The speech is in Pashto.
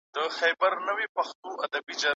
د نجونو ښوونه د ګډو پرېکړو منل پياوړی کوي.